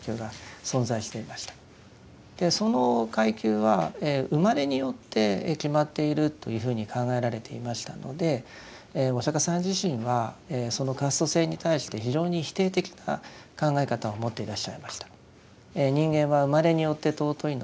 でその階級は生まれによって決まっているというふうに考えられていましたのでお釈迦さん自身はそのカースト制に対して非常に否定的な考え方を持っていらっしゃいました。